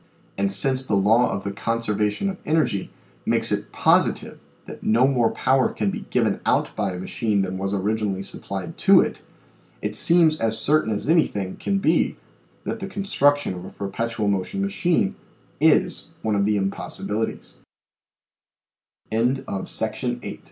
And since the law of the conservation of energy makes it positive that no more power can be given out by a machine than was originally supplied to it, it seems as certain as anything can be that the construction of a per petual motion machine is one of the impossibiliti